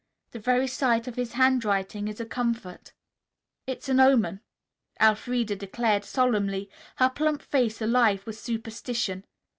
The very sight of his handwriting is a comfort." "It's an omen," Elfreda declared solemnly, her plump face alive with superstition.